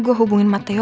gue hubungin mateo